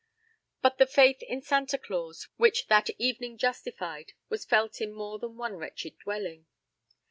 But the faith in Santa Claus which that evening justified was felt in more than one wretched dwelling.